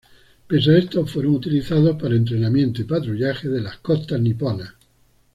Pese a esto, fueron utilizados para entrenamiento y patrullaje de las costas niponas.